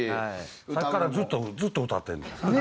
さっきからずっとずっと歌ってんねん。